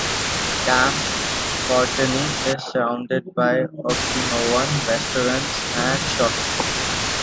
Camp Courtney is surrounded by Okinawan restaurants, and shopping.